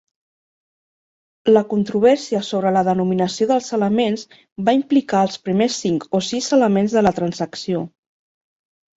La controvèrsia sobre la denominació dels elements va implicar els primers cinc o sis elements de la transacció.